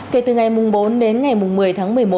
kể từ ngày bốn đến ngày một mươi tháng một mươi một